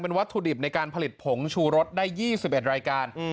วัตถุดิบในการผลิตผงชูรสได้๒๑รายการ